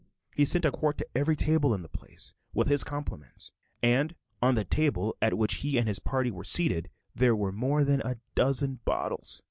He sent a quart to every table in the place with his compliments; and on the table at which he and his party were seated there were more than a dozen bottles.